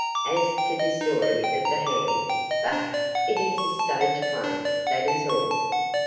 As to this story of the hand, bah! it is a stage play, that is all!